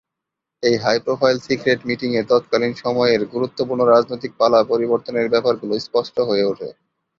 এই high profile secret meeting এ তৎকালীন সময়ের গুরত্বপূর্ণ রাজনৈতিক পালা পরিবর্তনের ব্যাপার গুলো স্পষ্ট হয়ে উঠে।